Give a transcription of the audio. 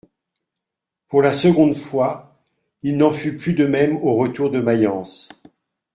Pour la seconde fois, il n'en fut plus de même au retour de Mayence.